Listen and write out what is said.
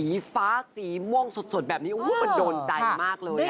สีฟ้าสีม่วงสดแบบนี้โอ้โหมันโดนใจมากเลย